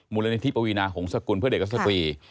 มูลนิธิปวีนาหงษกุลเพื่อเด็กและสตรี